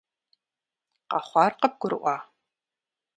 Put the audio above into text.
Къэхъуар къыбгурыӀуа?